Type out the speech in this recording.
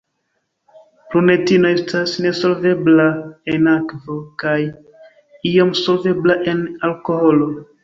Prunetino estas nesolvebla en akvo kaj iom solvebla en alkoholo.